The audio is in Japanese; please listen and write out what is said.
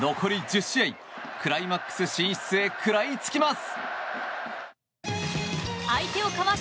残り１０試合クライマックス進出へ食らいつきます。